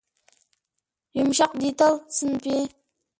يۇمشاق دېتال سىنىپى